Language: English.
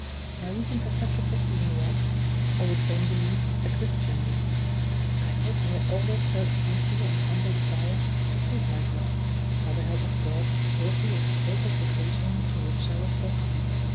My reason for such a proceeding was, I would fain believe, a Christian reason. I hope I had always felt a sincere and humble desire to prove myself, by the help of God, worthy of the sacred vocation to which I was destined.